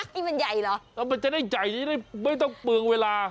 นี่มันใหญ่เหรอมันจะได้ใหญ่ไม่ต้องเปลืองเวลา